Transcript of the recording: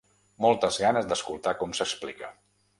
Moltes ganes d’escoltar com s’explica.